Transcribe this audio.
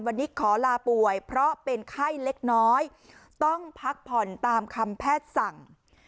วันนี้ขอลาป่วยเพราะเป็นไข้เล็กน้อยต้องพักผ่อนตามคำแพทย์สั่ง